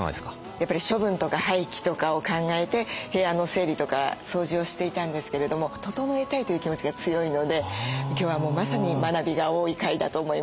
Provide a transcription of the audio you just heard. やっぱり処分とか廃棄とかを考えて部屋の整理とか掃除をしていたんですけれども整えたいという気持ちが強いので今日はもうまさに学びが多い回だと思います。